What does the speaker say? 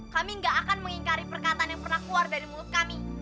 kami gak akan mengingkari perkataan yang pernah keluar dari mulut kami